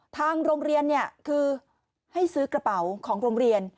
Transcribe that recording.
ทางโรงเรียนคือให้ซื้อกระเป๋าของโรงเรียน